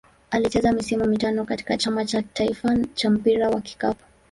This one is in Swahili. Alicheza misimu mitano katika Chama cha taifa cha mpira wa kikapu.